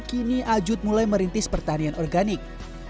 kini ajut mulai merintis pertanian organik